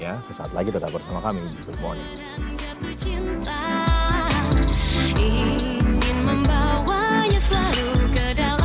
ya sesaat lagi tetap bersama kami di good morning